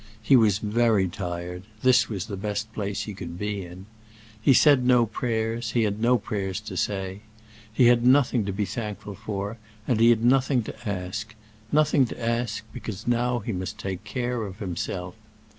He was very tired; this was the best place he could be in. He said no prayers; he had no prayers to say. He had nothing to be thankful for, and he had nothing to ask; nothing to ask, because now he must take care of himself.